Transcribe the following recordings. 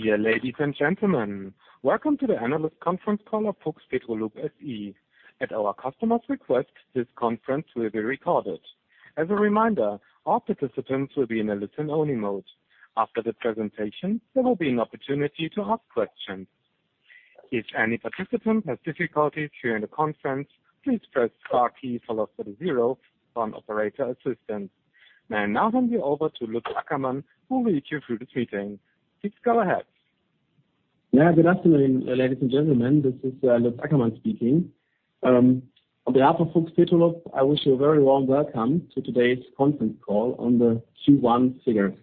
Dear ladies and gentlemen, welcome to the analyst conference call of Fuchs Petrolub SE. At our customer's request, this conference will be recorded. As a reminder, all participants will be in a listen-only mode. After the presentation, there will be an opportunity to ask questions. If any participant has difficulties during the conference, please press star key followed by the zero to find operator assistance. I now hand you over to Lutz Ackermann, who will lead you through this meeting. Please go ahead. Yeah, good afternoon, ladies and gentlemen. This is Lutz Ackermann speaking. On behalf of Fuchs Petrolub, I wish you a very warm welcome to today's conference call on the Q1 figures.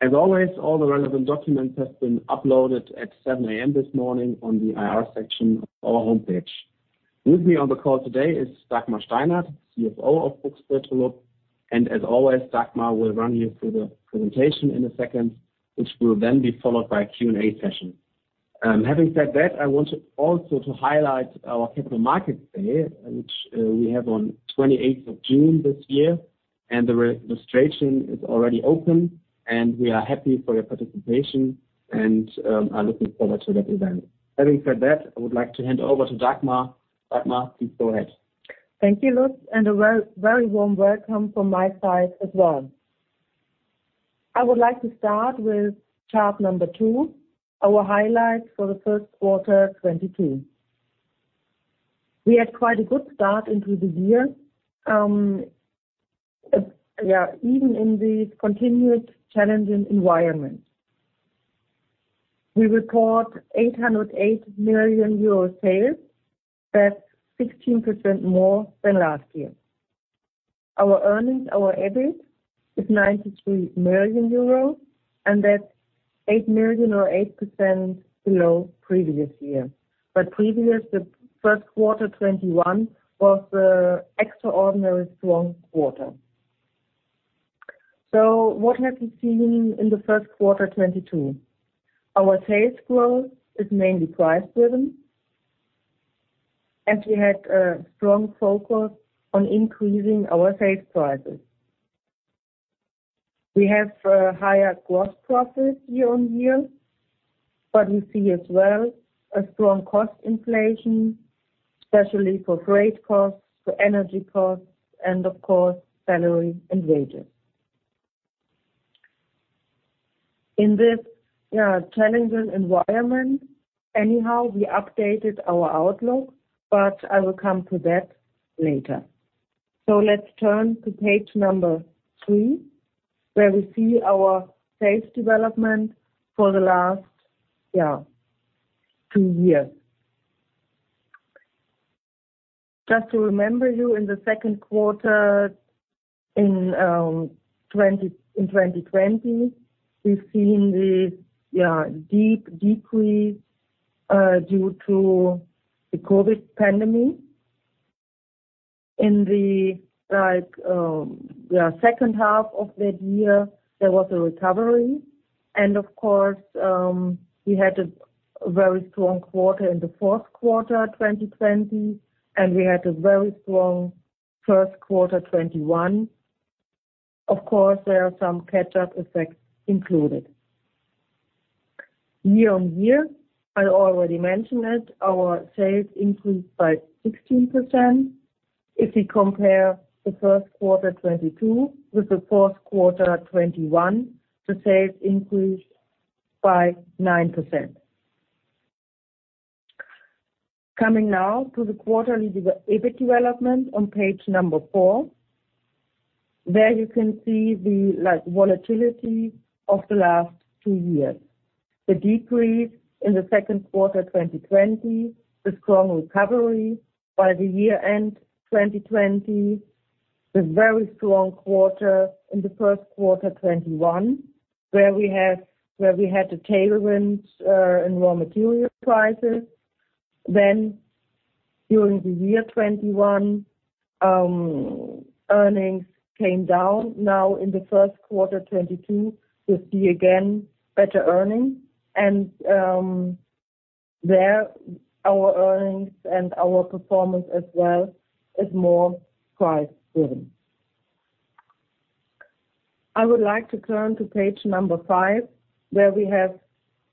As always, all the relevant documents has been uploaded at 7:00 A.M. this morning on the IR section of our homepage. With me on the call today is Dagmar Steinert, CFO of Fuchs Petrolub, and as always, Dagmar will run you through the presentation in a second, which will then be followed by a Q&A session. Having said that, I wanted also to highlight our capital markets day, which we have on 28th of June this year, and the re-registration is already open, and we are happy for your participation and are looking forward to that event. Having said that, I would like to hand over to Dagmar. Dagmar, please go ahead. Thank you, Lutz, and a very warm welcome from my side as well. I would like to start with chart number 2, our highlights for the first quarter 2022. We had quite a good start into the year, even in this continued challenging environment. We report 808 million euro sales. That's 16% more than last year. Our earnings, our EBIT, is 93 million euros, and that's 8 million or 8% below previous year. Previous, the first quarter 2021 was an extraordinary strong quarter. What have we seen in the first quarter 2022? Our sales growth is mainly price-driven, and we had a strong focus on increasing our sales prices. We have higher gross profits year on year, but we see as well a strong cost inflation, especially for freight costs, for energy costs, and of course, salary and wages. In this challenging environment, anyhow, we updated our outlook, but I will come to that later. Let's turn to page number 3, where we see our sales development for the last two years. Just to remember you, in the second quarter in 2020, we've seen the deep decrease due to the COVID pandemic. In the second half of that year, there was a recovery and of course, we had a very strong quarter in the fourth quarter 2020, and we had a very strong first quarter 2021. Of course, there are some catch-up effects included. Year-over-year, I already mentioned it, our sales increased by 16%. If we compare the first quarter 2022 with the fourth quarter 2021, the sales increased by 9%. Coming now to the quarterly EBIT development on page 4, there you can see the, like, volatility of the last two years. The decrease in the second quarter 2020, the strong recovery by the year-end 2020, the very strong quarter in the first quarter 2021, where we had the tailwinds in raw material prices. During the year 2021, earnings came down. Now in the first quarter 2022, we see again better earnings and, there our earnings and our performance as well is more price-driven. I would like to turn to page 5, where we have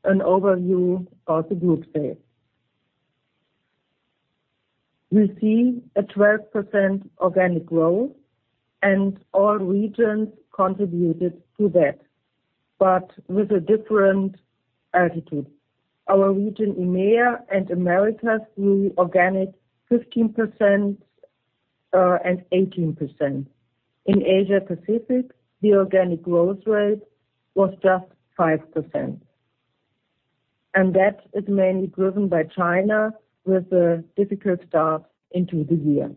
an overview of the group sales. We see a 12% organic growth and all regions contributed to that, but with a different magnitude. Our region EMEA and Americas grew organic 15% and 18%. In Asia Pacific, the organic growth rate was just 5%, and that is mainly driven by China with a difficult start into the year.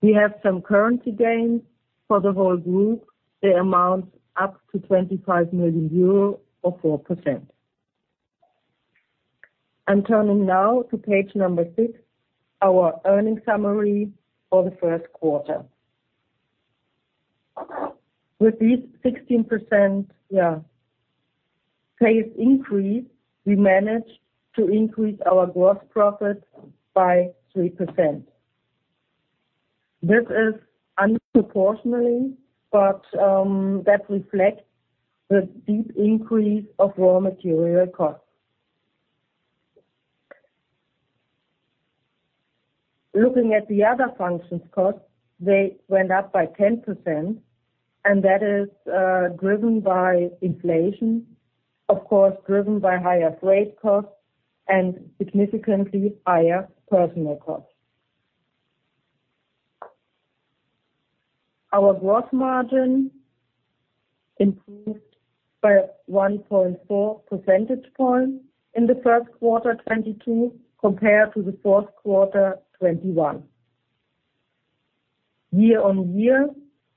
We have some currency gains for the whole group. They amount up to 25 million euro or 4%. I'm turning now to page 6, our earnings summary for the first quarter. With this 16% sales increase, we managed to increase our gross profit by 3%. This is disproportionately, but that reflects the steep increase of raw material costs. Looking at the other functional costs, they went up by 10% and that is driven by inflation, of course, driven by higher freight costs and significantly higher personnel costs. Our gross margin improved by 1.4 percentage points in the first quarter 2022 compared to the fourth quarter 2021. Year-over-year,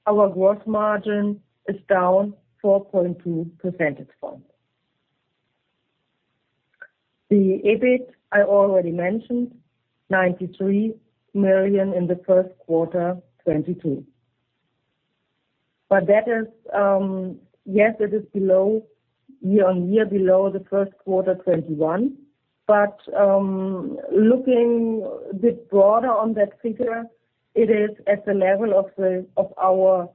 our gross margin is down 4.2 percentage points. The EBIT, I already mentioned, 93 million in the first quarter 2022. That is, it is below year-over-year below the first quarter 2021. Looking a bit broader on that figure, it is at the level of the, of our,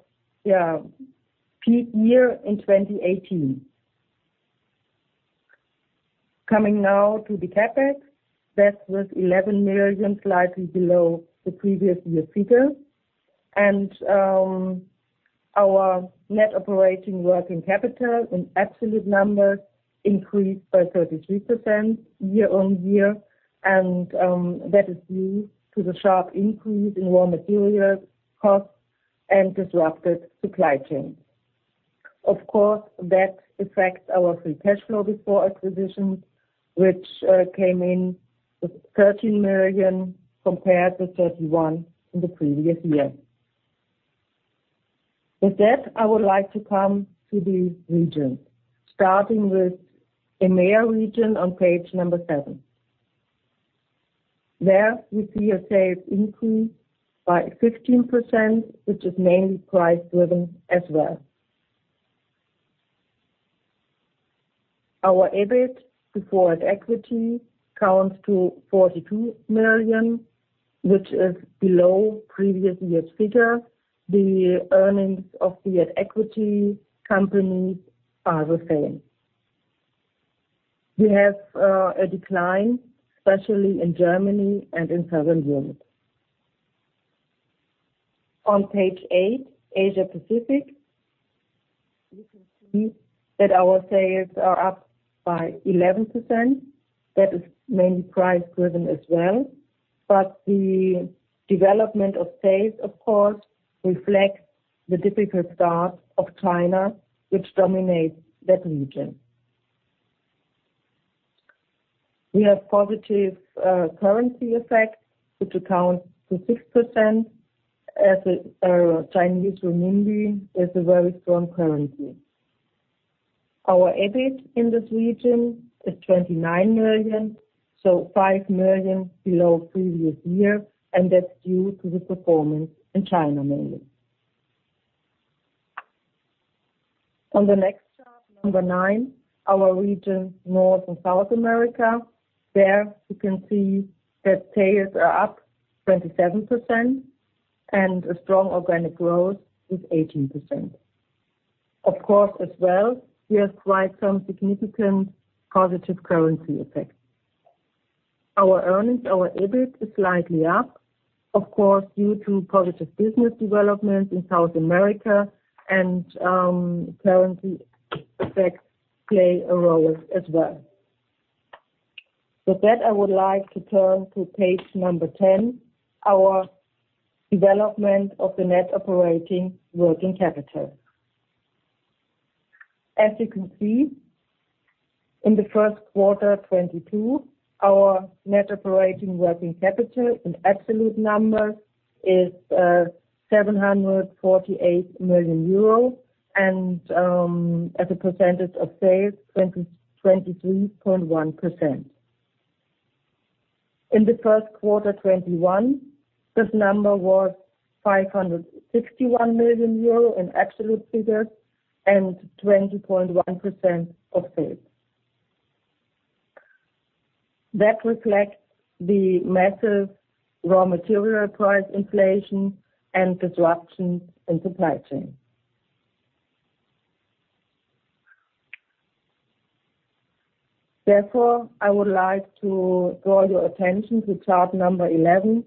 peak year in 2018. Coming now to the CapEx. That was 11 million, slightly below the previous year's figure. Our net operating working capital in absolute numbers increased by 33% year-over-year and that is due to the sharp increase in raw materials costs and disrupted supply chains. Of course, that affects our free cash flow before acquisitions, which came in with 13 million compared to 31 million in the previous year. With that, I would like to come to the regions, starting with EMEA region on page 7. There we see a sales increase by 15%, which is mainly price driven as well. Our EBIT before at equity counts to 42 million, which is below previous year's figure. The earnings of the at equity companies are the same. We have a decline, especially in Germany and in Southern Europe. On page 8, Asia Pacific. You can see that our sales are up by 11%. That is mainly price driven as well, but the development of sales, of course, reflects the difficult start of China, which dominates that region. We have positive currency effects, which account to 6% as the Chinese renminbi is a very strong currency. Our EBIT in this region is 29 million, so 5 million below previous year, and that's due to the performance in China mainly. On the next chart, number 9, our regions North and South America. There you can see that sales are up 27% and a strong organic growth is 18%. Of course, as well, we have quite some significant positive currency effects. Our earnings, our EBIT is slightly up, of course, due to positive business development in South America and currency effects play a role as well. With that, I would like to turn to page number 10, our development of the net operating working capital. As you can see, in the first quarter 2022, our net operating working capital in absolute numbers is 748 million euro and, as a percentage of sales, 23.1%. In the first quarter 2021, this number was 561 million euro in absolute figures and 20.1% of sales. That reflects the massive raw material price inflation and disruptions in supply chain. Therefore, I would like to draw your attention to chart 11,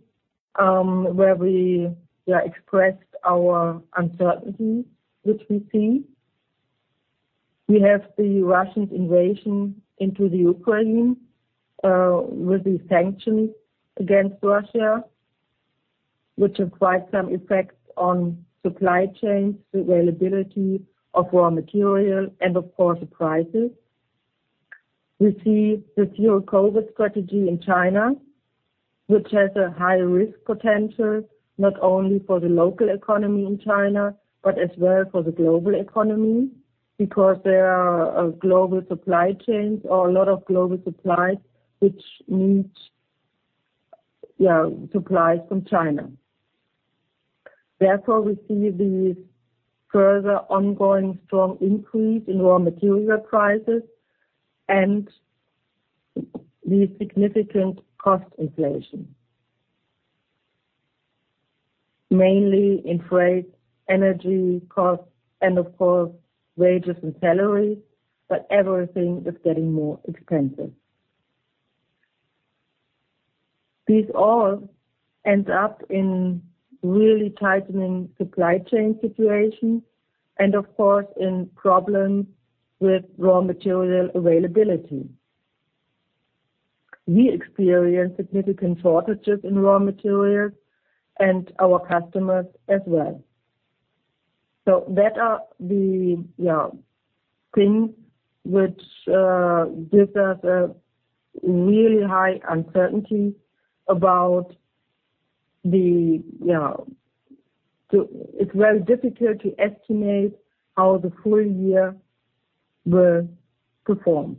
where we expressed our uncertainties which we see. We have the Russian invasion into Ukraine, with the sanctions against Russia, which have quite some effects on supply chains, availability of raw material and of course, the prices. We see the Zero-COVID strategy in China, which has a high risk potential, not only for the local economy in China, but as well for the global economy, because there are global supply chains or a lot of global supplies which need supplies from China. Therefore, we see the further ongoing strong increase in raw material prices and the significant cost inflation, mainly in freight, energy costs and of course, wages and salaries, but everything is getting more expensive. This all ends up in really tightening supply chain situation and of course, in problems with raw material availability. We experience significant shortages in raw materials and our customers as well. That are the, you know, things which give us a really high uncertainty about the, you know. It's very difficult to estimate how the full year will perform.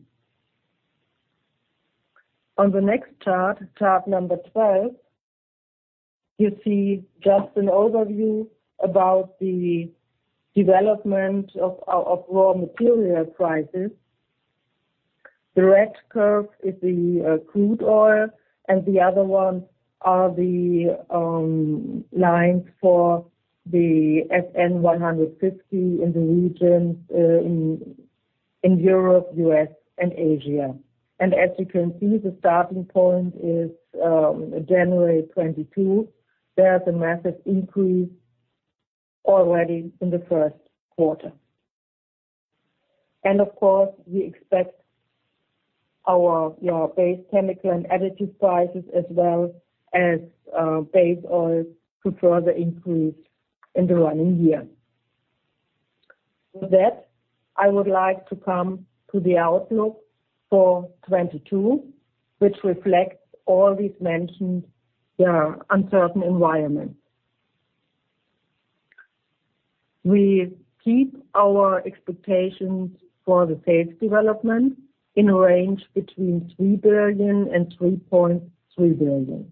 On the next chart number 12, you see just an overview about the development of raw material prices. The red curve is the crude oil and the other ones are the lines for the SN 150 in the regions in Europe, U.S., and Asia. As you can see, the starting point is January 2022. There's a massive increase already in the first quarter. Of course, we expect our, you know, base chemical and additive prices as well as base oil to further increase in the running year. With that, I would like to come to the outlook for 2022, which reflects all these mentioned, you know, uncertain environments. We keep our expectations for the sales development in a range between 3 billion and 3.3 billion.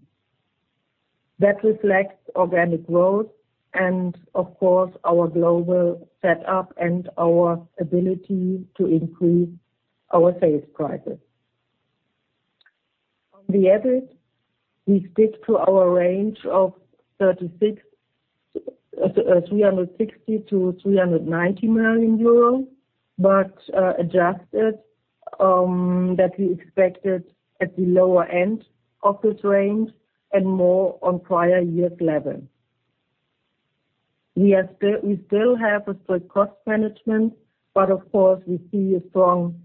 That reflects organic growth and of course, our global set up and our ability to increase our sales prices. On the EBIT, we stick to our range of 360 million to 390 million euros, but adjusted that we expected at the lower end of this range and more on prior years level. We still have a strict cost management, but of course, we see a strong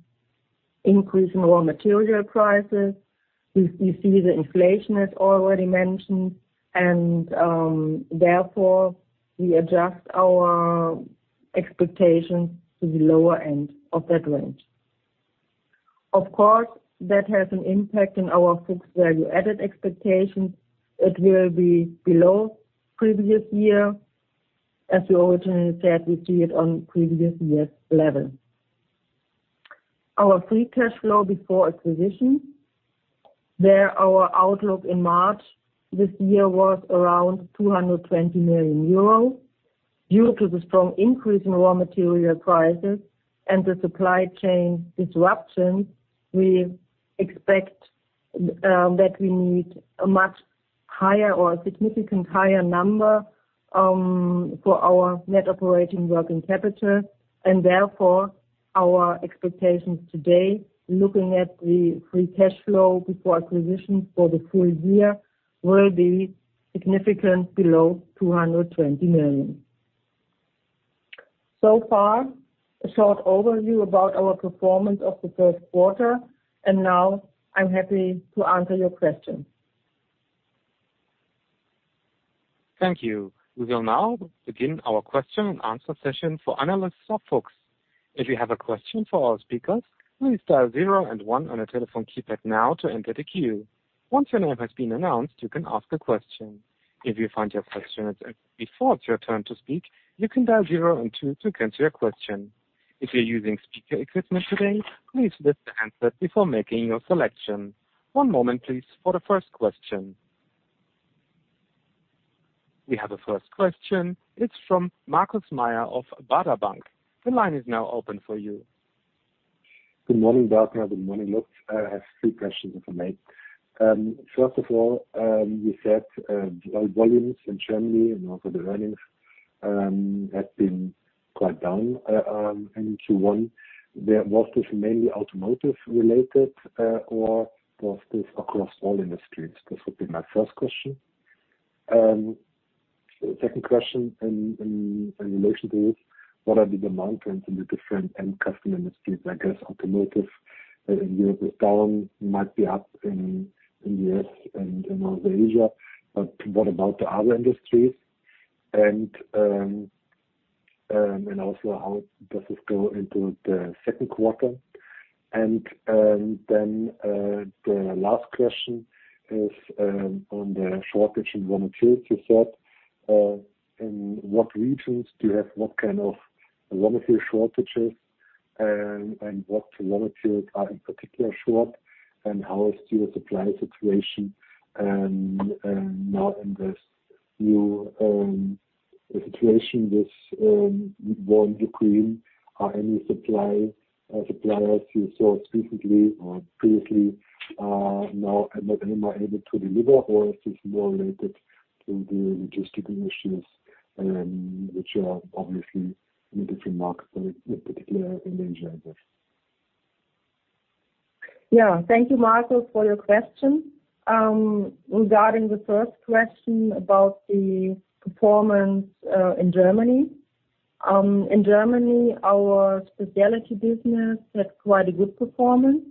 increase in raw material prices. We see the inflation as already mentioned, and therefore we adjust our expectations to the lower end of that range. Of course, that has an impact in our FUCHS Value Added expectations. It will be below previous year. As we originally said, we see it on previous years level. Our free cash flow before acquisition, there our outlook in March this year was around 220 million euros. Due to the strong increase in raw material prices and the supply chain disruption, we expect that we need a much higher or a significantly higher number for our net operating working capital, and therefore our expectations today, looking at the free cash flow before acquisitions for the full year will be significantly below 220 million. So far, a short overview about our performance of the first quarter, and now I'm happy to answer your questions. Thank you. We will now begin our question and answer session for analysts and folks. If you have a question for our speakers, please dial zero and one on your telephone keypad now to enter the queue. Once your name has been announced, you can ask a question. If you find your question has been asked before it's your turn to speak, you can dial zero and two to cancel your question. If you're using speaker equipment today, please lift to answer before making your selection. One moment please for the first question. We have a first question. It's from Markus Mayer of Baader Bank. The line is now open for you. Good morning, Dagmar. Good morning, Lutz. I have three questions, if I may. First of all, you said the volumes in Germany and also the earnings have been quite down in Q1. Was this mainly automotive related, or was this across all industries? This would be my first question. Second question in relation to this, what are the demand trends in the different end customer industries? I guess automotive in Europe is down, might be up in the US and in other Asia. But what about the other industries? Also how does this go into the second quarter? Then the last question is on the shortage in raw materials you said. In what regions do you have what kind of raw material shortages and what raw materials are in particular short, and how is your supply situation now in this situation with war in Ukraine? Are any suppliers you sourced recently or previously now not anymore able to deliver, or is this more related to the logistical issues which are obviously in different markets, in particular in Asia I guess? Yeah. Thank you, Markus, for your question. Regarding the first question about the performance in Germany. In Germany, our specialty business had quite a good performance.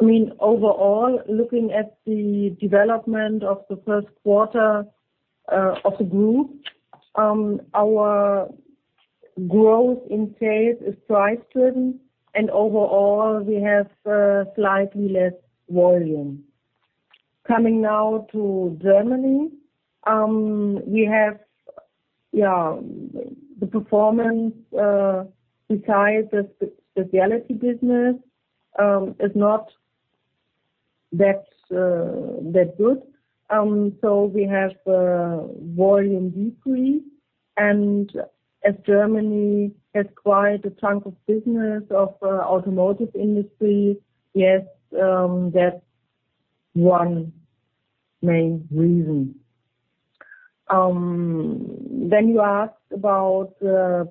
I mean, overall, looking at the development of the first quarter of the group, our growth in sales is price-driven, and overall, we have slightly less volume. Coming now to Germany, we have the performance besides the specialty business is not that good. We have a volume decrease. As Germany has quite a chunk of business of automotive industry, that's one main reason. You asked about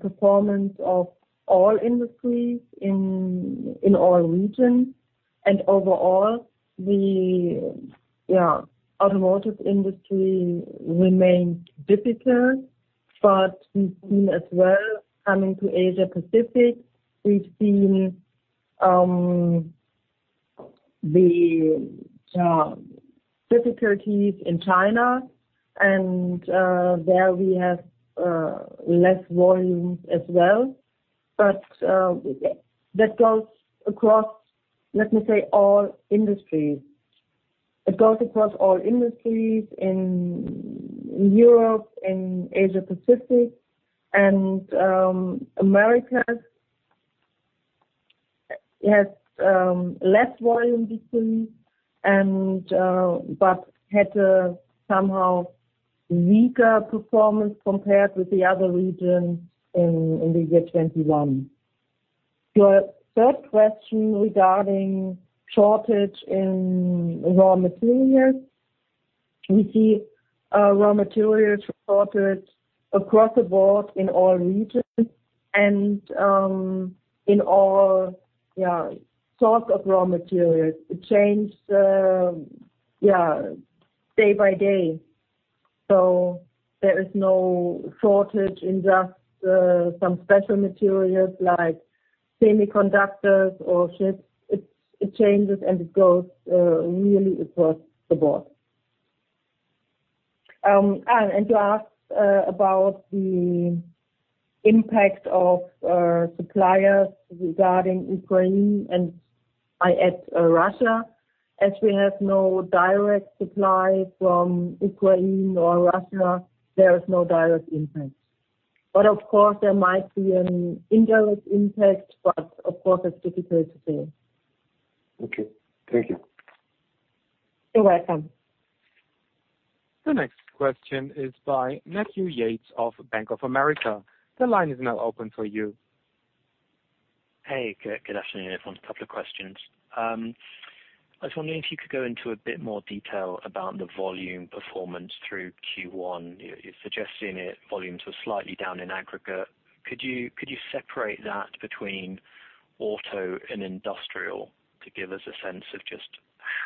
performance of all industries in all regions. Overall, the automotive industry remained difficult, but we've seen as well, coming to Asia Pacific, we've seen the difficulties in China, and there we have less volume as well. That goes across, let me say, all industries. It goes across all industries in Europe, in Asia Pacific, and Americas has less volume decrease and had a somehow weaker performance compared with the other regions in the year 2021. Your third question regarding shortage in raw materials. We see raw materials shortage across the board in all regions and in all sorts of raw materials. It changed day by day. There is no shortage in just some special materials like semiconductors or chips. It changes, and it goes really across the board. You asked about the impact of suppliers regarding Ukraine and I add Russia. As we have no direct supply from Ukraine or Russia, there is no direct impact. Of course, there might be an indirect impact, but of course, it's difficult to say. Okay. Thank you. You're welcome. The next question is by Matthew Yates of Bank of America. The line is now open for you. Good afternoon, everyone. A couple of questions. I was wondering if you could go into a bit more detail about the volume performance through Q1. You're suggesting that volumes were slightly down in aggregate. Could you separate that between auto and industrial to give us a sense of just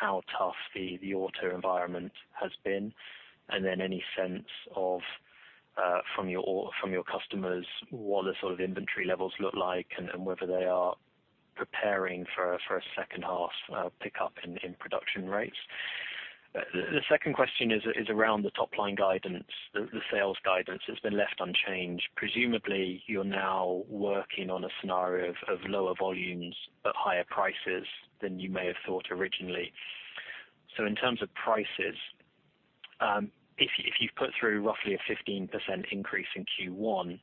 how tough the auto environment has been? Any sense from your customers what the sort of inventory levels look like and whether they are preparing for a second half pickup in production rates. The second question is around the top-line guidance. The sales guidance has been left unchanged. Presumably, you're now working on a scenario of lower volumes but higher prices than you may have thought originally. In terms of prices, if you've put through roughly a 15% increase in Q1,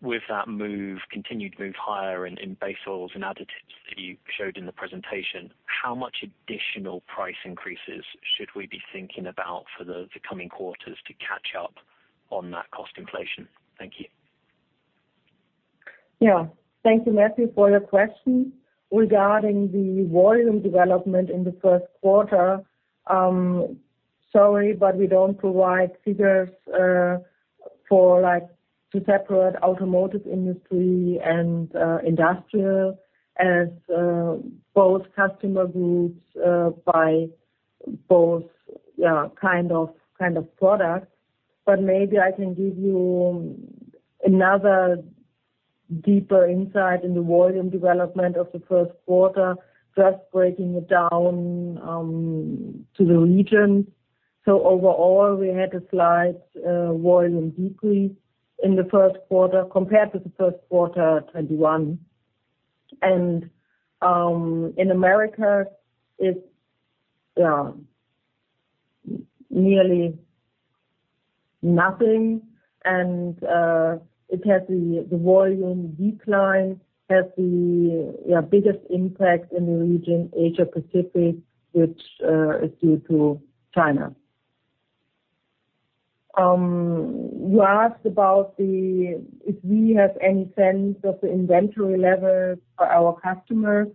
with that move, continued move higher in base oils and additives that you showed in the presentation, how much additional price increases should we be thinking about for the coming quarters to catch up on that cost inflation? Thank you. Yeah. Thank you, Matthew, for your question. Regarding the volume development in the first quarter, sorry, but we don't provide figures for like to separate automotive industry and industrial as both customer groups buy both yeah kind of products. Maybe I can give you another deeper insight in the volume development of the first quarter, first breaking it down to the regions. Overall, we had a slight volume decrease in the first quarter compared to the first quarter 2021. In Americas, it's yeah nearly nothing. It has the volume decline has the biggest impact in the region Asia Pacific, which is due to China. You asked about if we have any sense of the inventory levels for our customers.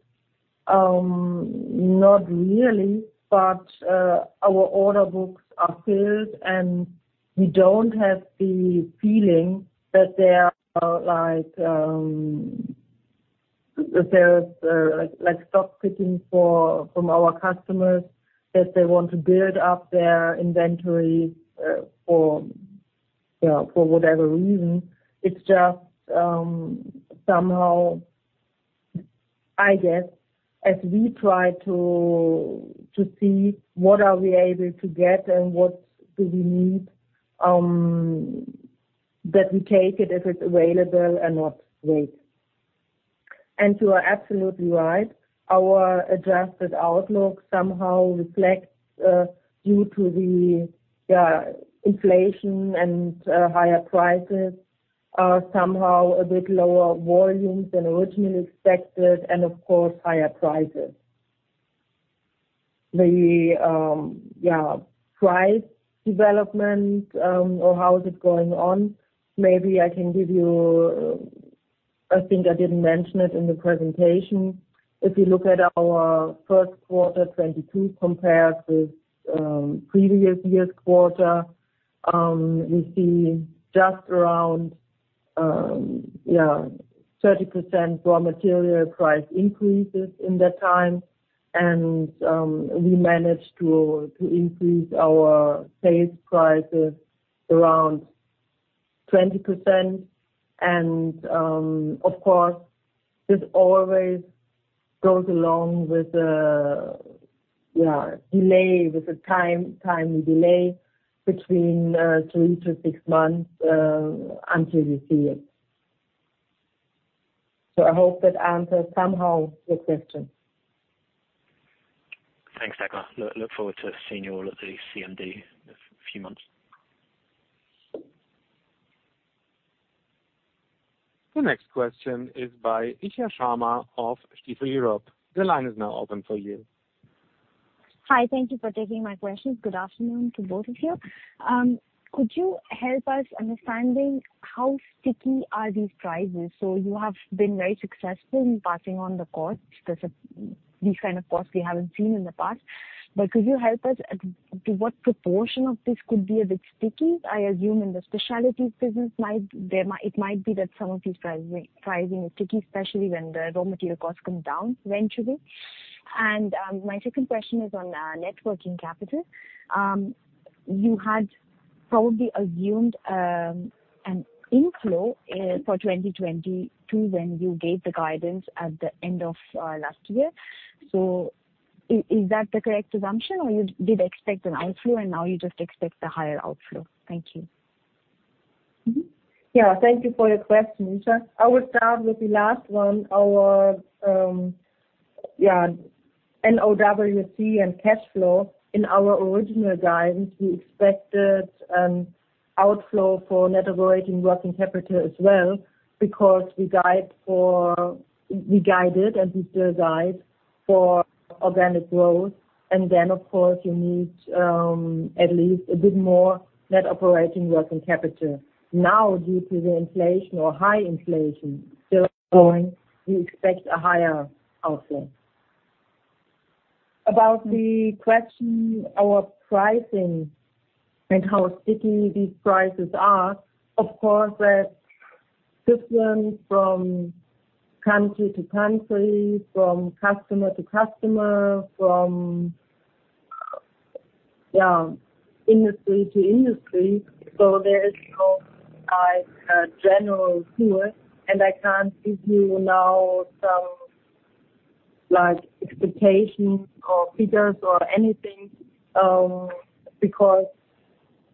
Not really, but our order books are filled, and we don't have the feeling that there are like stock picking from our customers that they want to build up their inventory, for you know, for whatever reason. It's just somehow, I guess, as we try to see what are we able to get and what do we need, that we take it if it's available and not wait. You are absolutely right. Our adjusted outlook somehow reflects due to the inflation and higher prices are somehow a bit lower volumes than originally expected and of course, higher prices. The price development or how is it going on, maybe I can give you. I think I didn't mention it in the presentation. If you look at our first quarter 2022 compared with previous year's quarter, we see just around 30% raw material price increases in that time. We managed to increase our sales prices around 20%. Of course, this always goes along with a delay, with a time delay between 3-6 months until we see it. I hope that answers somehow your question. Thanks, Dagmar. Look forward to seeing you all at the CMD in a few months. The next question is by Isha Sharma of Stifel Europe. The line is now open for you. Hi. Thank you for taking my questions. Good afternoon to both of you. Could you help us understanding how sticky are these prices? You have been very successful in passing on the costs. There's these kind of costs we haven't seen in the past. Could you help us to what proportion of this could be a bit sticky? I assume in the specialties business, it might be that some of these pricing is sticky, especially when the raw material costs come down eventually. My second question is on net working capital. You had probably assumed an inflow for 2022 when you gave the guidance at the end of last year. Is that the correct assumption, or you did expect an outflow and now you just expect a higher outflow? Thank you. Thank you for your question, Isha. I will start with the last one. Our NOWC and cash flow. In our original guidance, we expected outflow for net operating working capital as well because we guide for, we guided and we still guide for organic growth. Then, of course, you need at least a bit more net operating working capital. Now, due to the inflation or high inflation still going, we expect a higher outflow. About the question, our pricing and how sticky these prices are, of course, that's different from country to country, from customer to customer, from industry to industry. So there is no, like, general view, and I can't give you now some, like, expectations or figures or anything because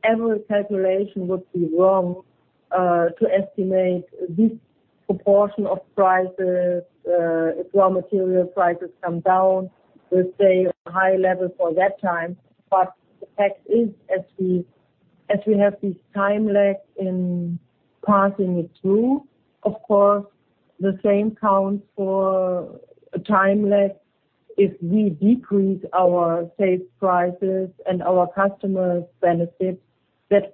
every calculation would be wrong to estimate this proportion of prices. If raw material prices come down, we'll stay at a high level for that time. The fact is, as we have this time lag in passing it through, of course, the same counts for a time lag if we decrease our sales prices and our customers benefit, that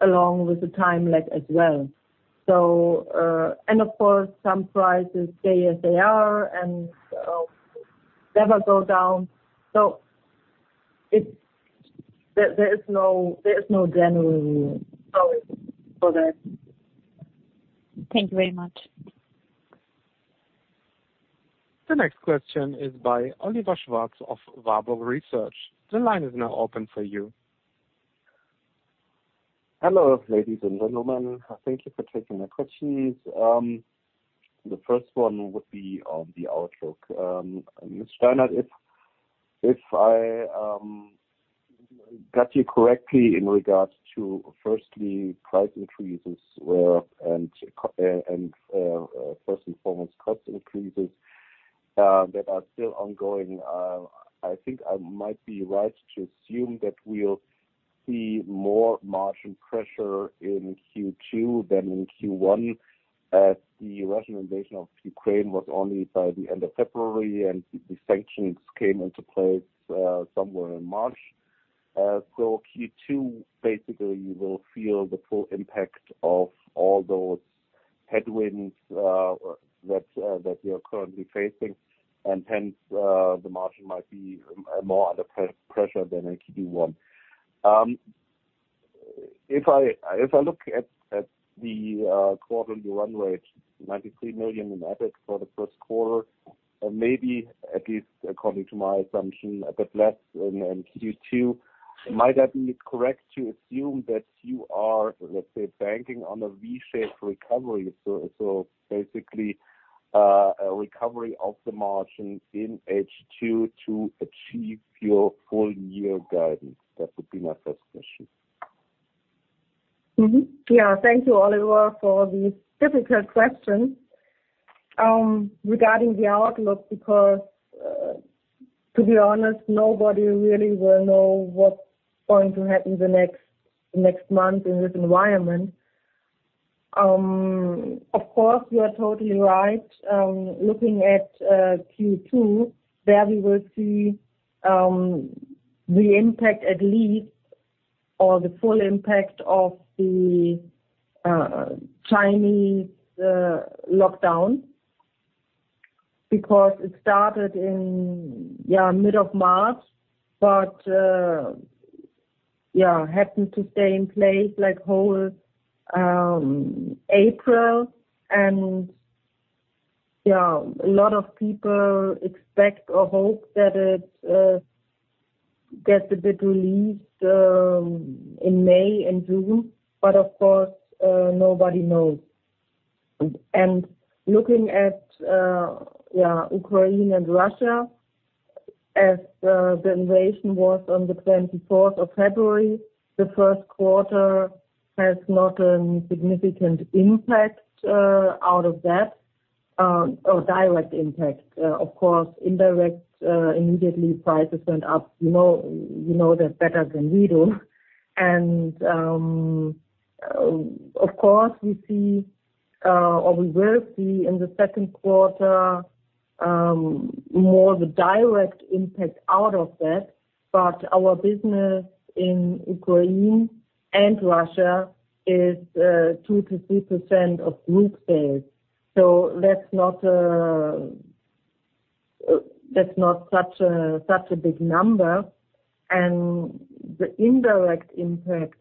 goes along with the time lag as well. Of course, some prices stay as they are and never go down. There is no general rule, sorry for that. Thank you very much. The next question is by Oliver Schwarz of Warburg Research. The line is now open for you. Hello, ladies and gentlemen. Thank you for taking my questions. The first one would be on the outlook. Ms. Steinert, if I got you correctly in regards to firstly, first and foremost, cost increases that are still ongoing. I think I might be right to assume that we'll see more margin pressure in Q2 than in Q1, as the Russian invasion of Ukraine was only by the end of February, and the sanctions came into place somewhere in March. Q2 basically will feel the full impact of all those headwinds that we are currently facing and hence, the margin might be more under pressure than in Q1. If I look at the quarterly run rate, 93 million in EBIT for the first quarter, or maybe at least according to my assumption, a bit less in Q2, might I be correct to assume that you are, let's say, banking on a V-shaped recovery? Basically, a recovery of the margin in H2 to achieve your full year guidance? That would be my first question. Thank you, Oliver, for the difficult question regarding the outlook, because to be honest, nobody really will know what's going to happen the next month in this environment. Of course, you are totally right. Looking at Q2, there we will see the impact at least or the full impact of the Chinese lockdown because it started in mid-March. It happened to stay in place the whole April and a lot of people expect or hope that it gets a bit released in May and June. Of course, nobody knows. Looking at Ukraine and Russia, as the invasion was on the twenty-fourth of February, the first quarter has not a significant impact out of that or direct impact. Of course, indirect, immediately prices went up. You know that better than we do. Of course, we see or we will see in the second quarter more the direct impact out of that. Our business in Ukraine and Russia is 2%-3% of group sales. That's not such a big number. The indirect impact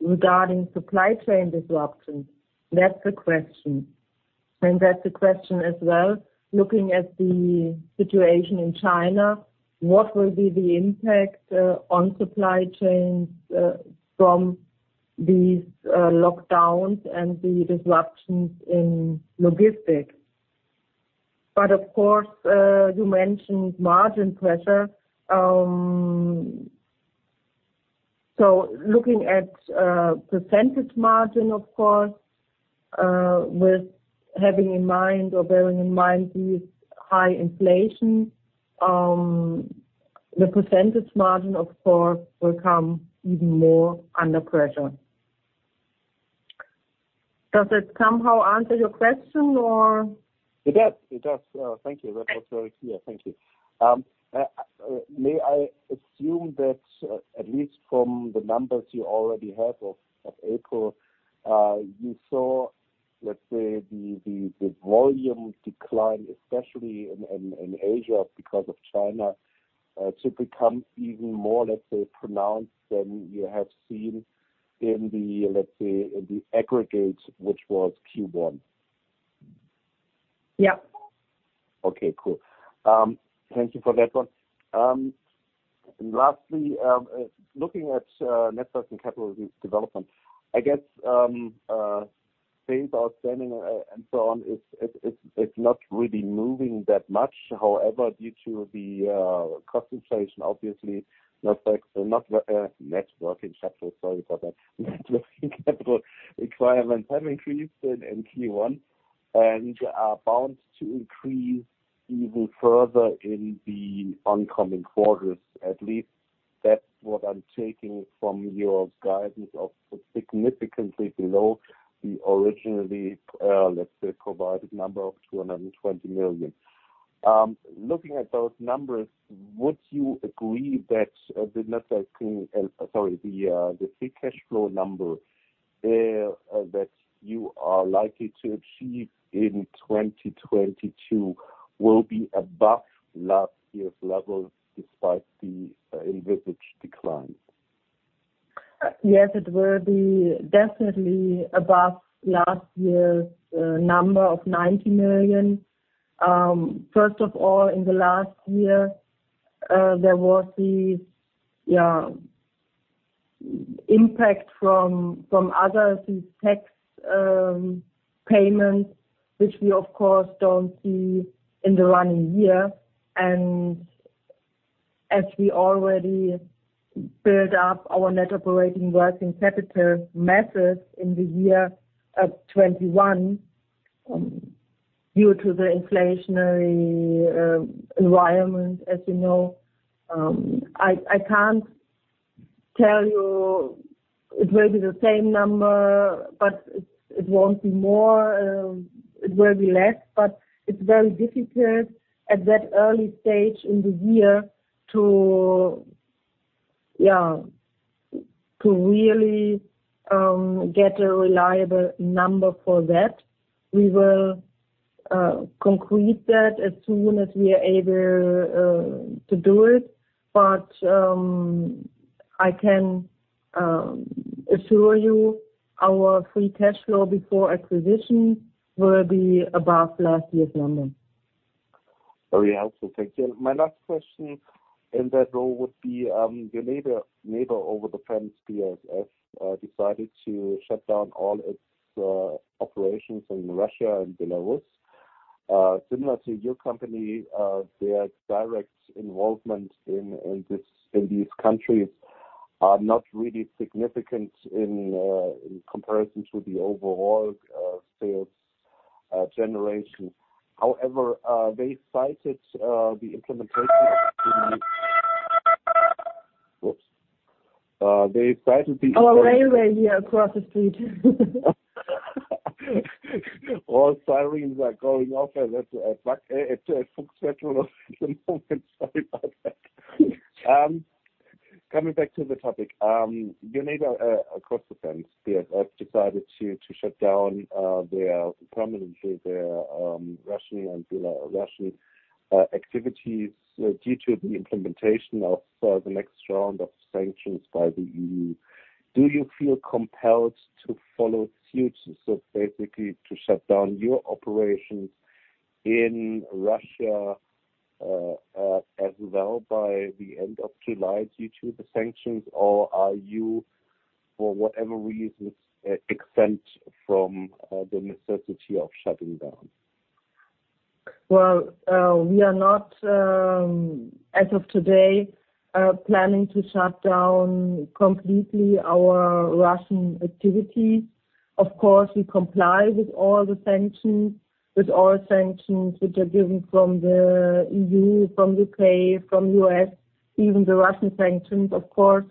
regarding supply chain disruptions, that's the question. That's the question as well, looking at the situation in China, what will be the impact on supply chains from these lockdowns and the disruptions in logistics. Of course, you mentioned margin pressure. Looking at percentage margin, of course, with having in mind or bearing in mind the high inflation, the percentage margin of course will come even more under pressure. Does that somehow answer your question or? It does. Thank you. That was very clear. Thank you. May I assume that at least from the numbers you already have of April you saw, let's say the volume decline, especially in Asia because of China to become even more, let's say pronounced than you have seen in the, let's say in the aggregate, which was Q1? Yeah. Okay, cool. Thank you for that one. Lastly, looking at net working capital development, I guess, things are standing and so on. It's not really moving that much. However, due to the cost inflation, obviously, net working capital, sorry for that, net working capital requirements have increased in Q1 and are bound to increase even further in the oncoming quarters. At least that's what I'm taking from your guidance of significantly below the originally, let's say, provided number of 220 million. Looking at those numbers, would you agree that the free cash flow number that you are likely to achieve in 2022 will be above last year's levels despite the envisaged decline? Yes, it will be definitely above last year's number of 90 million. First of all, in the last year, there was the impact from OECD tax payments, which we of course don't see in the running year. As we already built up our net operating working capital in the year of 2021, due to the inflationary environment, as you know, I can't tell you it will be the same number, but it won't be more, it will be less. It's very difficult at that early stage in the year to really get a reliable number for that. We will conclude that as soon as we are able to do it. I can assure you our free cash flow before acquisitions will be above last year's number. Very helpful. Thank you. My last question in that role would be, your neighbor over the fence, BASF, decided to shut down all its operations in Russia and Belarus. Similar to your company, their direct involvement in these countries are not really significant in comparison to the overall sales generation. However, they cited the implementation of the EU's. Our railway here across the street. All sirens are going off at Fuchs Petrolub at the moment. Sorry about that. Coming back to the topic. Your neighbor across the fence, BASF, decided to shut down permanently their Belarusian and Russian activities due to the implementation of the next round of sanctions by the EU. Do you feel compelled to follow suit, so basically to shut down your operations in Russia as well by the end of July due to the sanctions? Are you, for whatever reasons, exempt from the necessity of shutting down? Well, we are not, as of today, planning to shut down completely our Russian activities. Of course, we comply with all the sanctions, with all sanctions which are given from the E.U., from U.K., from U.S., even the Russian sanctions, of course.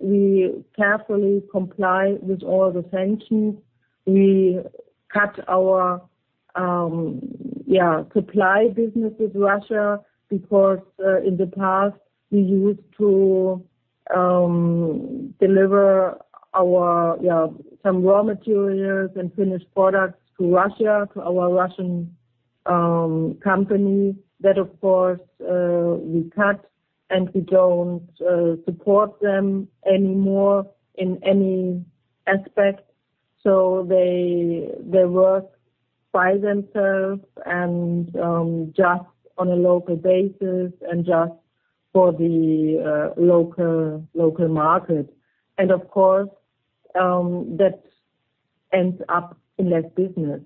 We carefully comply with all the sanctions. We cut our supply business with Russia because, in the past we used to deliver our some raw materials and finished products to Russia, to our Russian companies. That of course, we cut and we don't support them anymore in any aspect. They work by themselves and just on a local basis and just for the local market. Of course, that ends up in less business.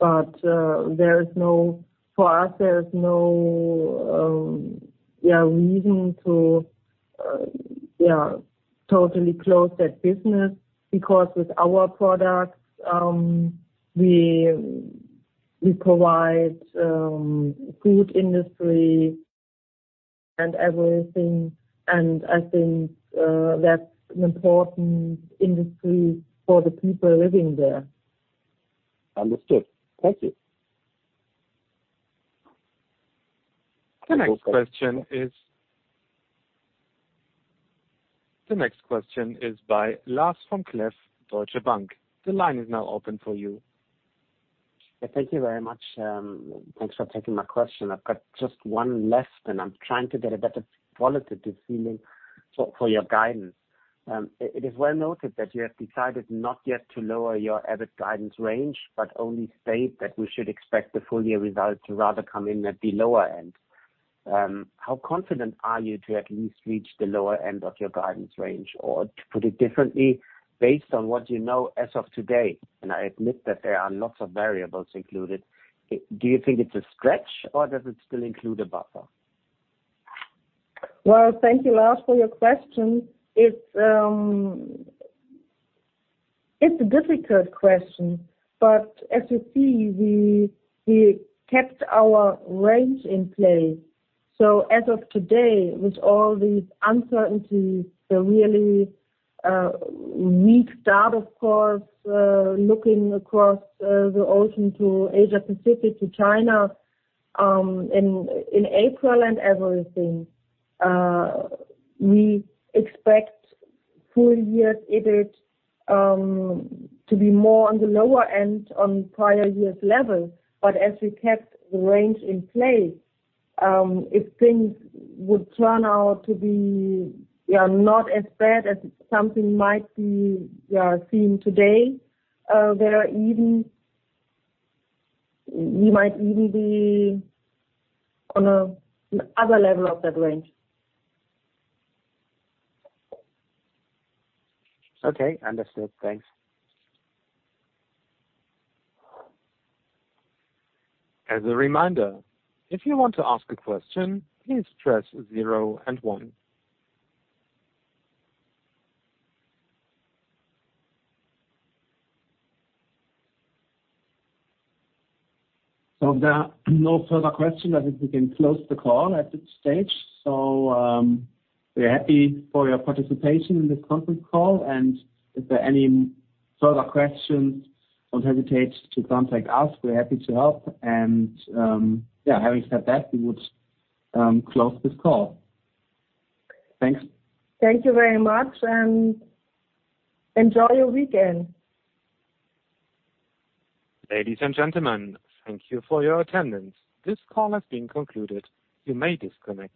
There is no. For us, there is no reason to totally close that business, because with our products, we provide food industry and everything, and I think, that's an important industry for the people living there. Understood. Thank you. The next question is by Lars Vom Cleff, Deutsche Bank. The line is now open for you. Yeah, thank you very much. Thanks for taking my question. I've got just one last, and I'm trying to get a better qualitative feeling for your guidance. It is well noted that you have decided not yet to lower your EBIT guidance range, but only state that we should expect the full year results to rather come in at the lower end. How confident are you to at least reach the lower end of your guidance range? Or to put it differently, based on what you know as of today, and I admit that there are lots of variables included, do you think it's a stretch or does it still include a buffer? Well, thank you, Lars, for your question. It's a difficult question, but as you see, we kept our range in place. As of today, with all these uncertainties, the really weak start, of course, looking across the ocean to Asia-Pacific, to China, in April and everything, we expect full year EBIT to be more on the lower end on prior years' level. As we kept the range in place, if things would turn out to be not as bad as something might be seen today, we might even be on another level of that range. Okay. Understood. Thanks. As a reminder, if you want to ask a question, please press zero and one. If there are no further questions, I think we can close the call at this stage. We're happy for your participation in this conference call, and if there are any further questions, don't hesitate to contact us. We're happy to help. Having said that, we would close this call. Thanks. Thank you very much and enjoy your weekend. Ladies and gentlemen, thank you for your attendance. This call has been concluded. You may disconnect.